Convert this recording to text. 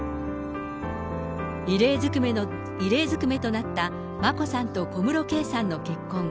異例ずくめとなった眞子さんと小室圭さんの結婚。